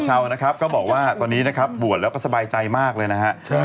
ชาวนะครับก็บอกว่าตอนนี้นะครับบวชแล้วก็สบายใจมากเลยนะฮะ